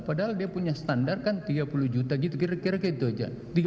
padahal dia punya standar kan tiga puluh juta gitu kira kira gitu aja